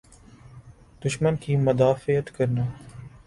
دشمن کی مدافعت کرنا۔